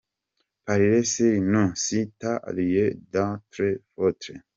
Parle sur nous si t’as rien d’autre à foutre.